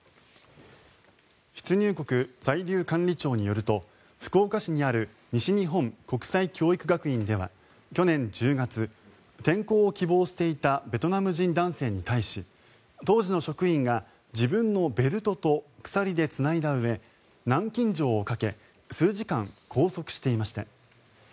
出入国在留管理庁によると福岡市にある西日本国際教育学院では去年１０月転校を希望していたベトナム人男性に対し当時の職員が自分のベルトと鎖でつないだうえ南京錠をかけ数時間拘束していました。